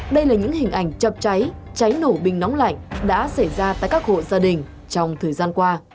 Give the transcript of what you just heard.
đây là những hình ảnh chập cháy cháy cháy nổ bình nóng lạnh đã xảy ra tại các hộ gia đình trong thời gian qua